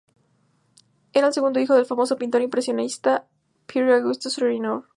Era el segundo hijo del famoso pintor impresionista Pierre-Auguste Renoir.